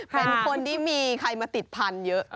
เป็นคนที่มีใครมาติดพันธุ์เยอะ